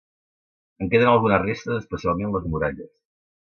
En queden algunes restes especialment les muralles.